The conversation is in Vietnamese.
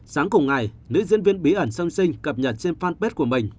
sáng cùng ngày nữ diễn viên bí ẩn sân sinh cập nhật trên fanpage của mình